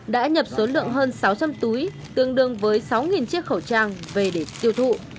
đã nhập số lượng hơn sáu trăm linh túi tương đương với sáu chiếc khẩu trang về để tiêu thụ